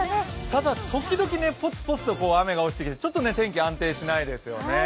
ただ、時々ポツポツと雨が落ちてきてちょっと天気、安定しないですよね